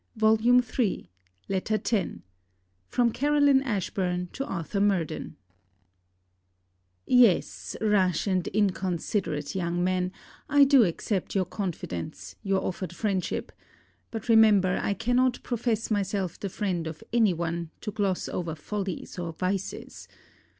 CLEMENT MONTGOMERY LETTER X FROM CAROLINE ASHBURN TO ARTHUR MURDEN Yes, rash and inconsiderate young man, I do accept your confidence, your offered friendship; but remember I cannot profess myself the friend of any one, to gloss over follies or vices.